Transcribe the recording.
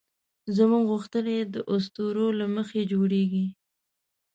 زموږ غوښتنې د اسطورو له مخې جوړېږي.